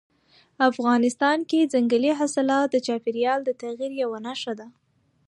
افغانستان کې ځنګلي حاصلات د چاپېریال د تغیر یوه نښه ده.